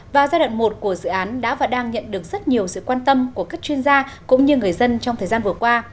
và giai đoạn một của dự án đã và đang nhận được rất nhiều sự quan tâm của các chuyên gia cũng như người dân trong thời gian vừa qua